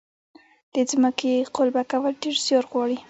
د ځمکې قلبه کول ډیر زیار غواړي.